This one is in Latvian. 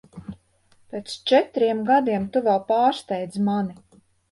Pēc četriem gadiem tu vēl pārsteidz mani.